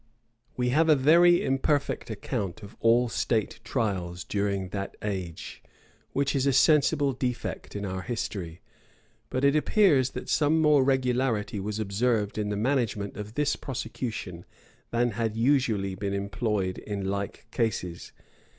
We have a very imperfect account of all state trials during that ago, which is a sensible defect in our history; but it appears that some more regularity was observed in the management of this prosecution than had usually been employed in like cases.